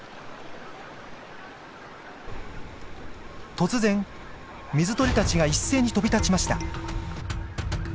突然水鳥たちが一斉に飛び立ちました。